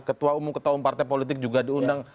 ketua umum ketua umum partai politik juga diundang